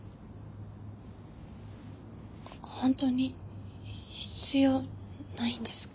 ほんとに必要ないんですか？